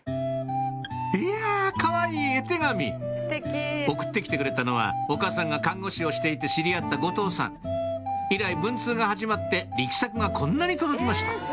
いやかわいい絵手紙送って来てくれたのはお母さんが看護師をしていて知り合った後藤さん以来文通が始まって力作がこんなに届きました